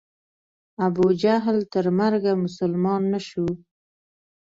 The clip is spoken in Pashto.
ابوجهل تر مرګه مسلمان نه شو.